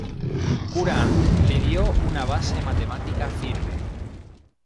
Courant le dio una base matemática firme.